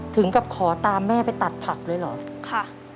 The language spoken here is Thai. ถึงกับขอตามแม่ไปตัดผักเลยเหรอค่ะ